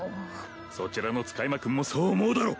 そちらの使い魔君もそう思うだろ！